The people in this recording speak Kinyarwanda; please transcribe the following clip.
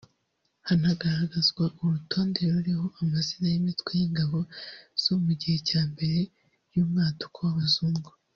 Hanagaragazwa urutonde ruriho amazina y’imitwe y’ingabo zo mu gihe cya mbere y’umwaduko w’abazungu